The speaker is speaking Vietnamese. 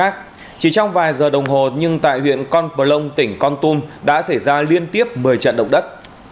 chỉ trong vài giờ đồng hồ nhưng tại huyện con plong tỉnh con tum đã xảy ra liên tiếp một mươi trận động đất